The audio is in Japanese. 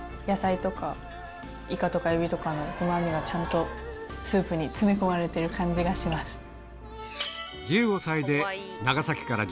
野菜とかイカとかエビとかのうま味がちゃんとスープに詰め込まれてる感じがします。